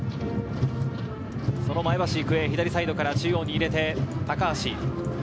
前橋育英、左サイドから中央に入れて高足。